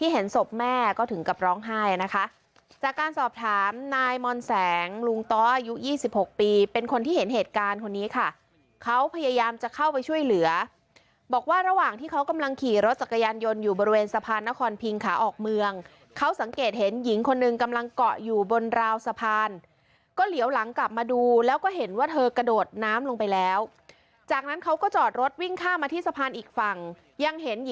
เหตุการณ์คนนี้ค่ะเขาพยายามจะเข้าไปช่วยเหลือบอกว่าระหว่างที่เขากำลังขี่รถจักรยานยนต์อยู่บริเวณสะพานนครพิงขาออกเมืองเขาสังเกตเห็นหญิงคนหนึ่งกำลังเกาะอยู่บนราวสะพานก็เหลียวหลังกลับมาดูแล้วก็เห็นว่าเธอกระโดดน้ำลงไปแล้วจากนั้นเขาก็จอดรถวิ่งข้ามมาที่สะพานอีกฝั่งยังเห็นหญิ